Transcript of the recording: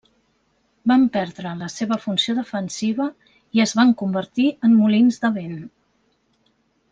Van perdre la seva funció defensiva i es van convertir en molins de vent.